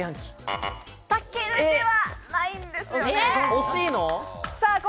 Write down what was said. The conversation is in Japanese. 炊けるではないんですよね。